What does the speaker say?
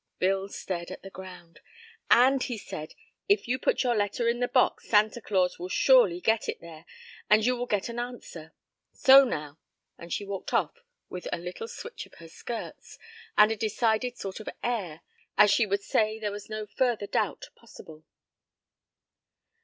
Bill stared at the ground. "And he said if you put your letter in the box, Santa Claus will surely get it there, and you will get an answer. So, now," and she walked off with a little switch of her skirts, and a decided sort of air, as she would say there was no further doubt possible.